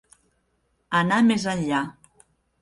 Anar més enllà.